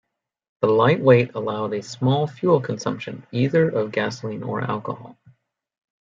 The light weight allowed a small fuel consumption either of gasoline or alcohol.